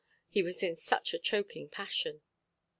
He was in such a choking passion.